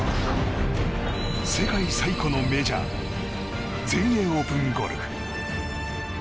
世界最古のメジャー全英オープンゴルフ。